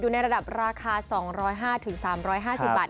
อยู่ในระดับราคา๒๕๐๓๕๐บาท